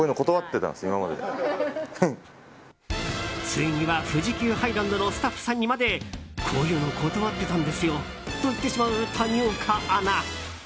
ついには富士急ハイランドのスタッフさんにまでこういうの断ってたんですよと言ってしまう谷岡アナ。